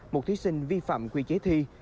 một thí sinh vi phạm quy chế thi